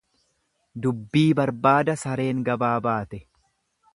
Dubbii barbaada sareen gabaa baate.